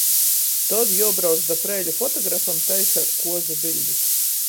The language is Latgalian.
Tod juobrauc da Preiļu fotografam taiseit kuozu biļdis.